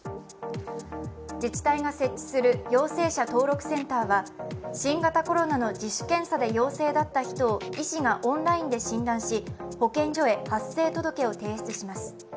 自治体が設置する陽性者登録センターは新型コロナの自主検査で陽性だった人を医師がオンラインで診断し保健所へ発生届を提出します。